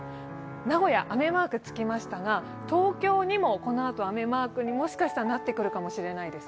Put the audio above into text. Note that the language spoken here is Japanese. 名古屋、雨マークつきましたが、東京にもこのあと、雨マークにもしかしたらなってくるかもしれないです。